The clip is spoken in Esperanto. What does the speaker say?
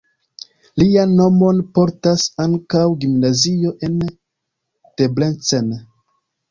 Lian nomon portas ankaŭ gimnazio en Debrecen.